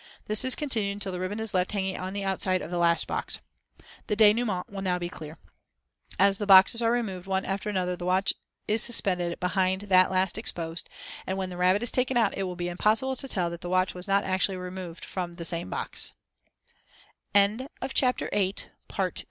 This is continued until the ribbon is left hanging on the outside of the last box. The denouement will now be clear. As the boxes are removed one after the other the watch is suspended behind that last exposed; and when the rabbit is taken out it will be impossible to tell that the watch was not actually removed fro